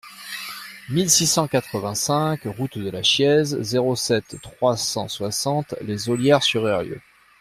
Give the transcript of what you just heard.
mille six cent quatre-vingt-cinq route de la Chiéze, zéro sept, trois cent soixante, Les Ollières-sur-Eyrieux